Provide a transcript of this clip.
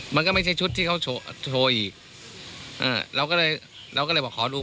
มันก็ไม่ใช่ชุดที่เขาโชว์โชว์อีกเออเราก็เลยเราก็เลยบอกขอดู